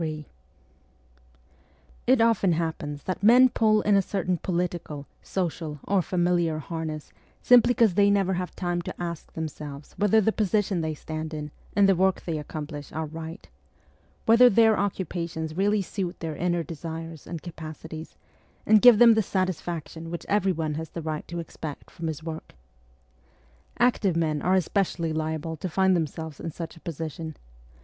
Ill IT often happens that men pull in a certain political, social, or familiar harness simply because they never have time to ask themselves whether the position they stand in and the work they accomplish are right ; whether their occupations really suit their inner desires and capacities, and give them the satisfaction which everyone has the right to expect from his work. Active men are especially liable to find themselves in such a position.